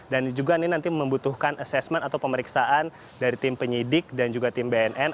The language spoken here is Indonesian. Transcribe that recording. dan juga ini nanti membutuhkan assessment atau pemeriksaan dari tim penyidik dan juga tim bnn